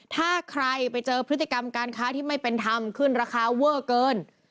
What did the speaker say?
ถ้าใครไปเจอพฤติกรรมการค้าที่ไม่เป็นธรรมขึ้นราคาเวอร์เกิน